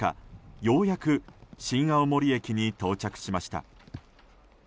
ようやく新青森駅に到着しました。